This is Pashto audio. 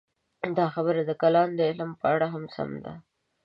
دا خبره د کلام د علم په اړه هم سمه ده.